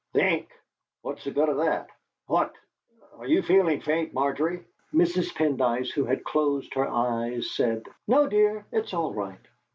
"Think! What's the good of that? What Are you feeling faint, Margery?" Mrs. Pendyce, who had closed her eyes, said: "No dear, it's all right."